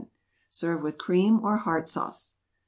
Serve with cream or Hard Sauce.